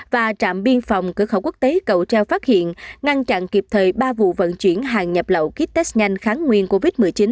và trạm biên phòng cửa khẩu quốc tế cầu treo phát hiện ngăn chặn kịp thời ba vụ vận chuyển hàng nhập lậu kýt test nhanh kháng nguyên covid một mươi chín